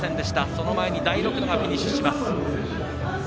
その前に大六野がフィニッシュします。